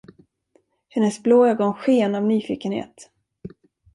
Hennes blå ögon sken av nyfikenhet.